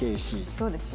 そうですね。